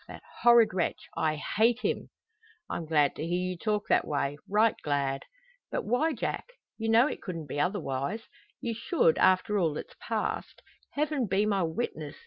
That horrid wretch! I hate him!" "I'm glad to hear you talk that way right glad." "But why, Jack? You know it couldn't be otherwise! You should after all that's passed. Heaven be my witness!